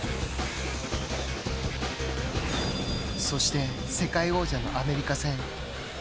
そして、世界王者のアメリカ戦。